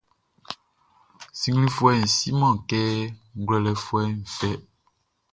Sinnglinfuɛʼn siman kɛ ngwlɛlɛfuɛʼn fɛ.